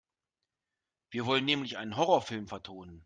Wir wollen nämlich einen Horrorfilm vertonen.